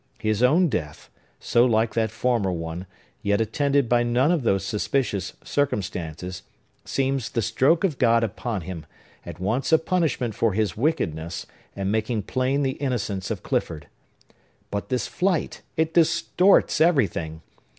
His own death, so like that former one, yet attended by none of those suspicious circumstances, seems the stroke of God upon him, at once a punishment for his wickedness, and making plain the innocence of Clifford. But this flight,—it distorts everything!